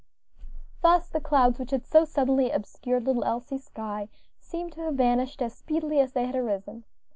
Thus the clouds which had so suddenly obscured little Elsie's sky, seemed to have vanished as speedily as they had arisen.